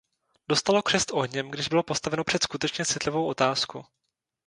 Dostalo křest ohněm, když bylo postaveno před skutečně citlivou otázku.